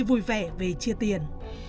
vui vẻ về chia tiền